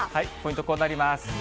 こうなります。